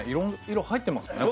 色々入ってますね